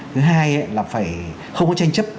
thứ hai là phải không có tranh chấp